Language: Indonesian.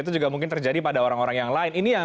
itu juga mungkin terjadi pada orang orang yang lain